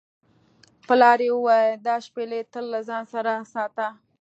پلار یې وویل دا شپیلۍ تل له ځان سره ساته.